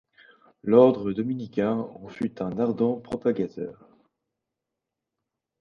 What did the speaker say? L’Ordre dominicain en fut un ardent propagateur.